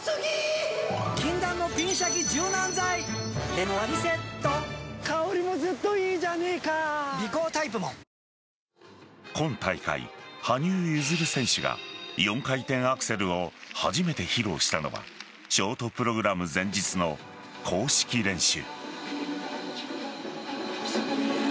今日、会場の外には歴史的瞬間を見届けようと今大会、羽生結弦選手が４回転アクセルを初めて披露したのはショートプログラム前日の公式練習。